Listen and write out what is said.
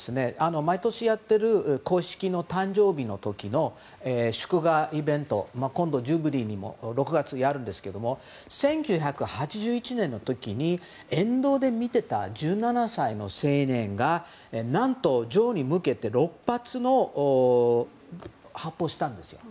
毎年、やっている公式の誕生日の時の祝賀イベント、今度６月にやるんですけれども１９８１年の時に沿道で見ていた１７歳の青年が何と女王に向けて６発、発砲したんですよ。